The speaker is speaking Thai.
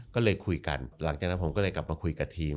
ก็เลยคุยกันหลังจากนั้นผมก็เลยกลับมาคุยกับทีม